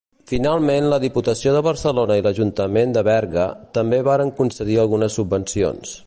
Finalment la Diputació de Barcelona i l'Ajuntament de Berga, també varen concedir algunes subvencions.